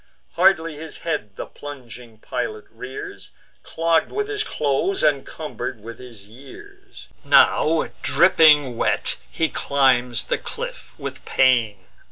Hardly his head the plunging pilot rears, Clogg'd with his clothes, and cumber'd with his years: Now dropping wet, he climbs the cliff with pain.